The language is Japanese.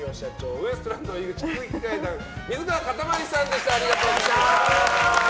ウエストランド井口空気階段水川かたまりさんでした。